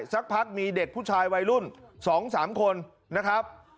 สักพักมีเด็กผู้ชายวัยรุ่น๒๓คนนะครับ